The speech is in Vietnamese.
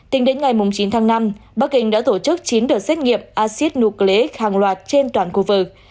tính đến ngày chín tháng năm bắc kinh đã tổ chức chín đợt xét nghiệm acid nucleic hàng loạt trên toàn khu vực